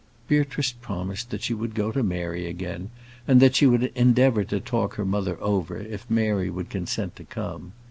Beatrice promised that she would go to Mary again, and that she would endeavour to talk her mother over if Mary would consent to come.